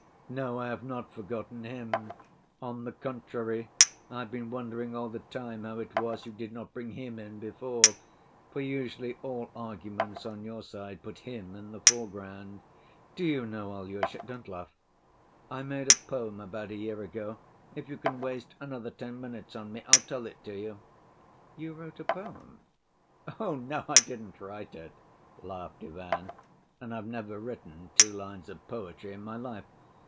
No, I have not forgotten Him; on the contrary I've been wondering all the time how it was you did not bring Him in before, for usually all arguments on your side put Him in the foreground. Do you know, Alyosha—don't laugh! I made a poem about a year ago. If you can waste another ten minutes on me, I'll tell it to you." "You wrote a poem?" "Oh, no, I didn't write it," laughed Ivan, "and I've never written two lines of poetry in my life.